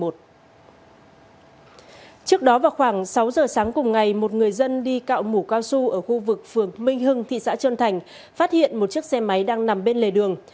trước đó vào khoảng sáu giờ sáng cùng ngày một người dân đi cạo mũ cao su ở khu vực phường minh hưng thị xã trơn thành phát hiện một chiếc xe máy đang nằm bên lề đường